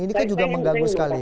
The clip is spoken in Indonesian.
ini kan juga mengganggu sekali